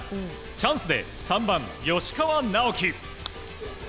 チャンスで３番、吉川尚輝。